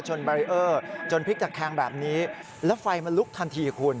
บารีเออร์จนพลิกตะแคงแบบนี้แล้วไฟมันลุกทันทีคุณ